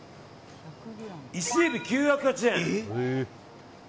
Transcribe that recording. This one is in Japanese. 伊勢エビ、９８０円。